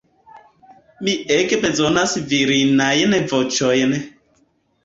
Ni ege bezonas virinajn voĉojn.